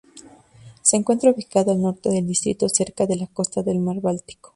Se encuentra ubicado al norte del distrito, cerca de la costa del mar Báltico.